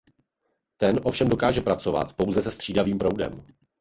Ten ovšem dokáže pracovat pouze se střídavým proudem.